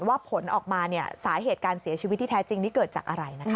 ผลออกมาสาเหตุการเสียชีวิตที่แท้จริงนี่เกิดจากอะไรนะคะ